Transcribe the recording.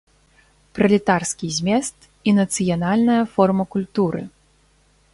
Пралетарскі змест і нацыянальная форма культуры!